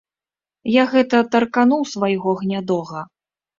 Я гэта таркануў свайго гнядога.